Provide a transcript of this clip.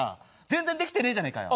全然できてねえじゃねえかよ。